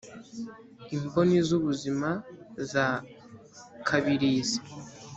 imboni z ubuzima za kabilizi